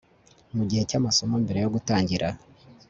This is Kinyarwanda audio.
mu gihe cy'amasomo mbere yo gutangira